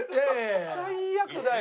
最悪だよ。